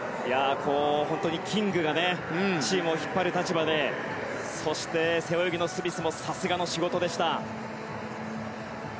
本当にキングがチームを引っ張る立場でそして、背泳ぎのスミスもさすがの仕事でした。